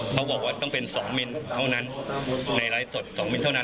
เขาบอกว่าต้องเป็น๒มิ้นเท่านั้นในไลฟ์สด๒มิ้นเท่านั้น